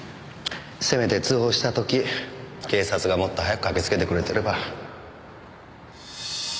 せめて通報した時警察がもっと早く駆けつけてくれてれば。